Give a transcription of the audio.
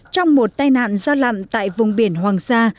trong một tai nạn do lặn tại vùng biển hoàng sa